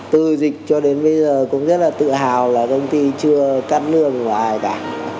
từ dịch cho đến bây giờ cũng rất là tự hào là công ty chưa cắt lương và ai cả